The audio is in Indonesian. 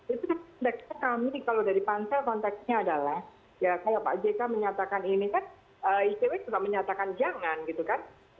itu kan kami kalau dari pansel konteksnya adalah ya kayak pak jk menyatakan ini kan icw juga menyatakan jangan gitu kan